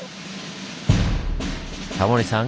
タモリさん